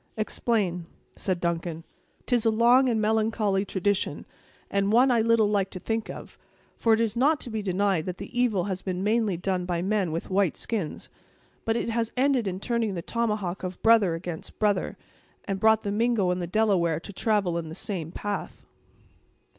"Explain," said Duncan. "'Tis a long and melancholy tradition, and one I little like to think of; for it is not to be denied that the evil has been mainly done by men with white skins. But it has ended in turning the tomahawk of brother against brother, and brought the Mingo and the Delaware to travel in the same path."